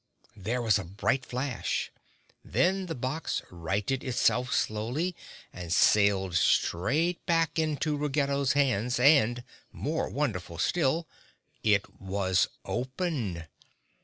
There was a bright flash; then the box righted itself slowly and sailed straight back into Ruggedo's hands and, more wonderful still, it was open!